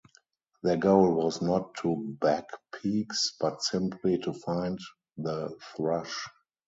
Their goal was not to bag peaks but simply to find the thrush.